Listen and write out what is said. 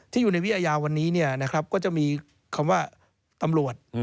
อยู่ในวิอาญาวันนี้ก็จะมีคำว่าตำรวจ